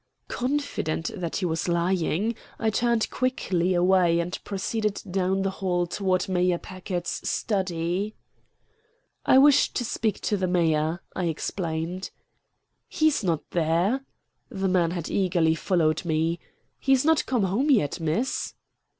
Confident that he was lying, I turned quietly away and proceeded down the hall toward Mayor Packard's study. "I wish to speak to the mayor," I explained. "He's not there." The man had eagerly followed me. "He's not come home yet, Miss."